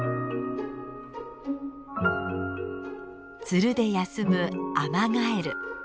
ツルで休むアマガエル。